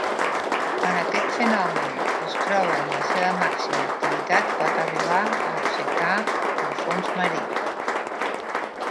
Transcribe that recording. Quan aquest fenomen es troba en la seva màxima activitat, pot arribar a aixecar el fons marí.